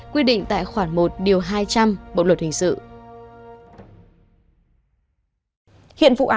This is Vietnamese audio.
quy định tại khoản một điều hai trăm linh bộ luật hình sự